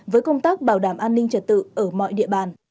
với công tác bảo đảm an ninh trật tự ở mọi địa bàn